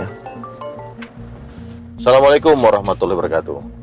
assalamualaikum warahmatullahi wabarakatuh